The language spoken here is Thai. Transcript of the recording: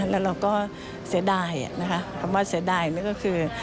แล้วเราก็เสียดายนะคะคำว่าเสียดายก็คือ